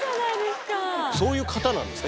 そういう方なんですか？